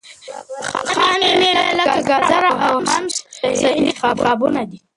خامې مېوې لکه ګاځره او حمص صحي انتخابونه دي.